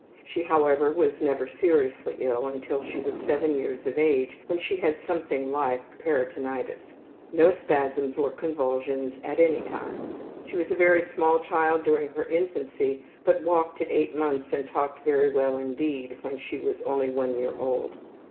She, however, was never seriously ill until she was 7 years of age, when she had something like peritonitis. No spasms or convulsions at any time. She was a very small child during her infancy, but walked at 8 months and talked very well indeed when she was only one year old.